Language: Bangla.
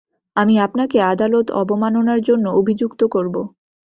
আমি আপনাকে আদালত অবমাননার জন্য অভিযুক্ত করব!